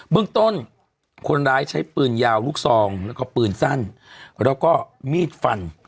เมืองต้นคนร้ายใช้ปืนยาวลูกซองแล้วก็ปืนสั้นแล้วก็มีดฟัน